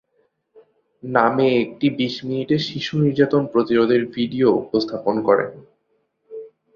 নামে একটি বিশ মিনিটের শিশু নির্যাতন প্রতিরোধের ভিডিও উপস্থাপন করেন।